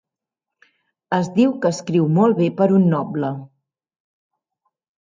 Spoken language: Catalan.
Es diu que escriu molt bé per un noble.